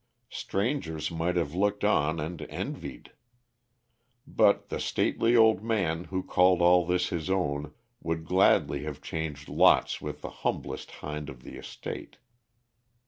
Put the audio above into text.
Strangers might have looked on and envied. But the stately old man who called all this his own would gladly have changed lots with the humblest hind on the estate.